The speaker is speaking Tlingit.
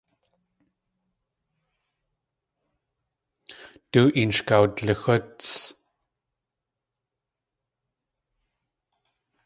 Du een sh kawdlixúts.